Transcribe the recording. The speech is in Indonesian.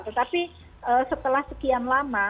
tetapi setelah sekian lama